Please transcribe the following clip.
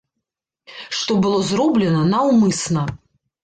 Што было зроблена наўмысна.